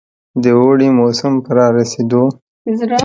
د اوړي موسم په رارسېدو.